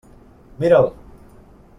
Mira'l!